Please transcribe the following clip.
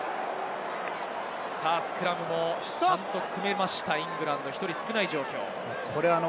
スクラムもちゃんと組めたイングランド、１人少ない状況です。